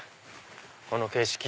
この景色。